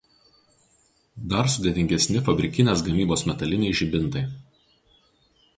Dar sudėtingesni fabrikinės gamybos metaliniai žibintai.